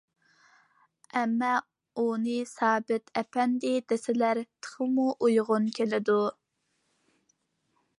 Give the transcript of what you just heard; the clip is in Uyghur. — ئەمما ئۇنى سابىت ئەپەندى دېسىلە تېخىمۇ ئۇيغۇن كېلىدۇ.